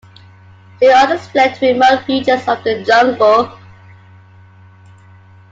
Still others fled to remote regions of the jungle.